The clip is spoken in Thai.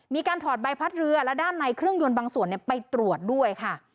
ถอดใบพัดเรือและด้านในเครื่องยนต์บางส่วนไปตรวจด้วยค่ะ